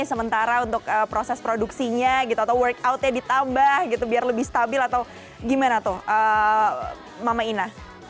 sementara untuk proses produksinya gitu atau workoutnya ditambah gitu biar lebih stabil atau gimana tuh mama ina